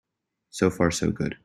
So far so good.